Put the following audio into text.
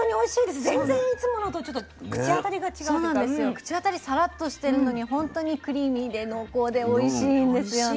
口当たりさらっとしてるのにほんとにクリーミーで濃厚でおいしいんですよね。